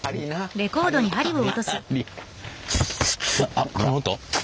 あっこの音？